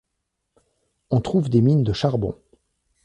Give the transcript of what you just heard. On trouve des mines de charbon.